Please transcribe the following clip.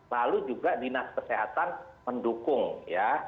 lalu juga dinas kesehatan mendukung ya